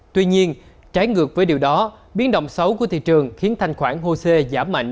tuy nhiên trái ngược với điều đó biến động xấu của thị trường khiến thanh khoản hosea giảm mạnh